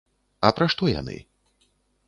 А пра што яны?